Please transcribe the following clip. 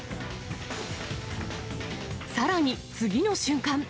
さらに次の瞬間。